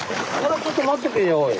ちょっと待っとけやおい。